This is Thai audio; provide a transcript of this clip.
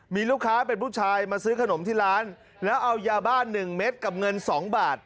มีลูกค้าเป็นผู้ชายมาซื้อขนมที่ร้านแล้วเอายาบ้าน๑เม็ดกับเงิน๒บาท